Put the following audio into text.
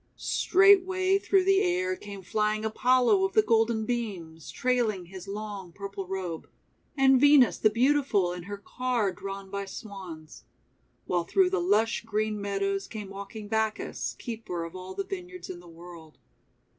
Straightway through the air came flying Apollo of the Golden Beams, trailing his long purple robe, and Venus the Beautiful in her car drawn by Swans. While through the lush green meadows came walking Bacchus, Keeper of All the Vineyards in the World.